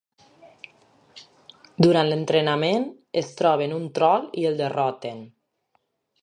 Durant l'entrenament, es troben un trol i el derroten.